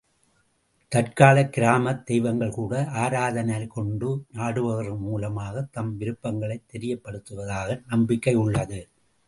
தற்காலக் கிராமத் தெய்வங்கள் கூட ஆராதனை கொண்டு ஆடுபவர்கள் மூலமாக தம் விருப்பங்களைத் தெரியப்படுத்துவதாக நம்பிக்கையுள்ளது.